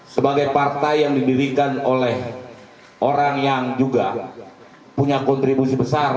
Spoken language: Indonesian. sebagai partai yang didirikan oleh orang yang juga punya kontribusi besar